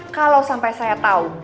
kalau sampai saya tahu